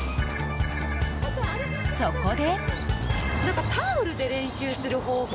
そこで。